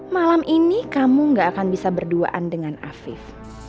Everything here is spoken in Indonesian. malam ini kamu gak akan bisa berduaan dengan afif